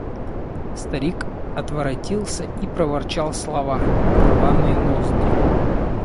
Старик отворотился и проворчал слова: «Рваные ноздри!»…